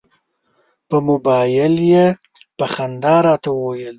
په مبایل یې په خندا راته وویل.